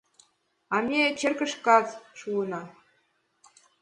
А... мме... черкышкат шуына.